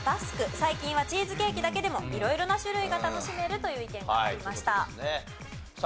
最近はチーズケーキだけでも色々な種類が楽しめるという意見がありました。